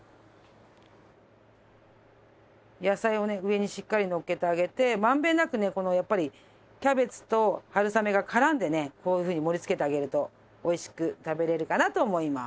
野菜をね上にしっかりのっけてあげてまんべんなくねこのやっぱりキャベツと春雨がからんでねこういうふうに盛りつけてあげるとおいしく食べられるかなと思います